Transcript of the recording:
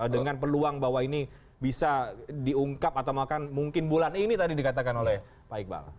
dengan peluang bahwa ini bisa diungkap atau bahkan mungkin bulan ini tadi dikatakan oleh pak iqbal